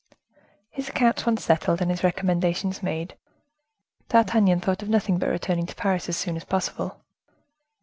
His accounts once settled, and his recommendations made, D'Artagnan thought of nothing but returning to Paris as soon as possible.